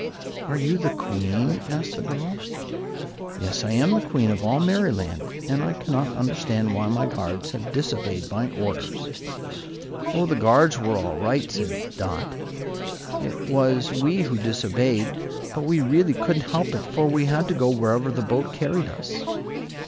"Are you the Queen?" asked the girl. "Yes, I am Queen of all Merryland; and I cannot understand why my guards have disobeyed my orders." "Oh, the guards were all right," said Dot. "It was we who disobeyed. But we really couldn't help it, for we had to go wherever the boat carried us."